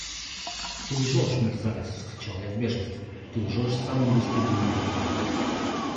– Ты лжешь, мерзавец! – вскричал я в бешенстве, – ты лжешь самым бесстыдным образом.